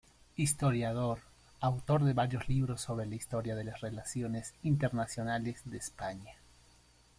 Historiador, autor de varios libros sobre historia de las relaciones internacionales de España.